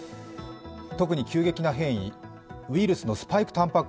特に急激な変異、ウイルスのスパイク